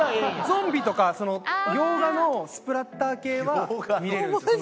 ゾンビとか洋画のスプラッター系は見れるんですよ。